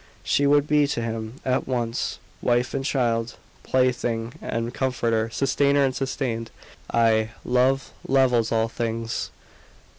She would be to him at once wife and child, plaything and comforter, sustainer and sustained. Ay, love levels all things.